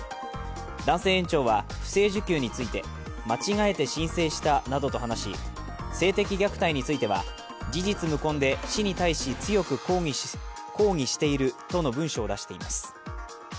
男性園長は不正受給について、間違えて申請したなどと話し性的虐待については事実無根で市に対し強く抗議しているとの文書を出しています。